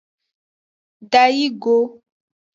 Dayi go.